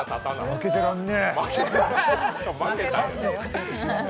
負けてらんね！